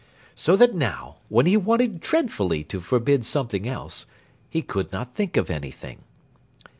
So that now, though he wanted dreadfully to forbid something else, he could not think of anything.